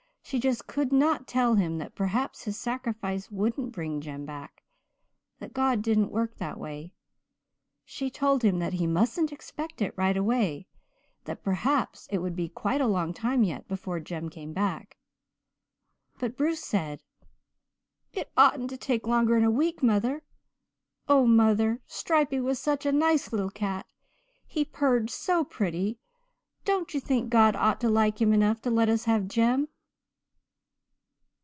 She just could not tell him that perhaps his sacrifice wouldn't bring Jem back that God didn't work that way. She told him that he mustn't expect it right away that perhaps it would be quite a long time yet before Jem came back. "But Bruce said, 'It oughtn't to take longer'n a week, mother. Oh, mother, Stripey was such a nice little cat. He purred so pretty. Don't you think God ought to like him enough to let us have Jem?"